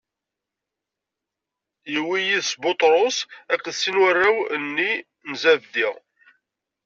Iwwi yid-s Buṭrus akked sin n warraw-nni n Zabdi.